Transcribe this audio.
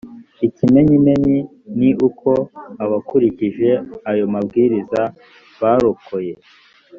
ikimenyimenyi ni uko abakurikije ayo mabwiriza barokoye